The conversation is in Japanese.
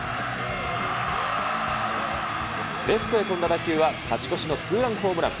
レフトへ飛んだ打球は勝ち越しのツーランホームラン。